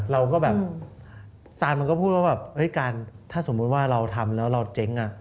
เราก็แบบซานมันก็พูดว่าแบบการถ้าสมมุติว่าเราทำแล้วเราเจ๊งอ่ะ